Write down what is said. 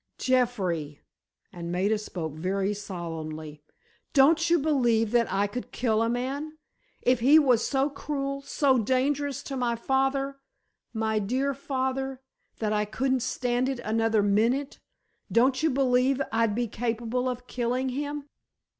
"Jeffrey," and Maida spoke very solemnly, "don't you believe that I could kill a man? If he was so cruel, so dangerous to my father—my dear father, that I couldn't stand it another minute, don't you believe I'd be capable of killing him?"